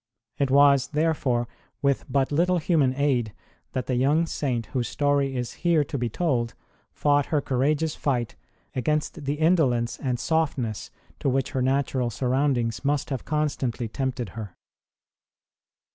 It was, there fore, with but little human aid that the young Saint whose story is here to be told fought her courageous fight against the indolence and soft ness to which her natural surroundings must have constantly tempted her.